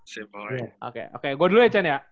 simpel oke gue dulu ya chen ya